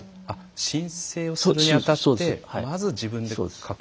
申請をするにあたってまず自分で書く。